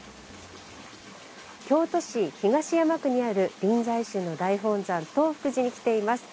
京都市東山区にある臨済宗の大本山東福寺に来ています。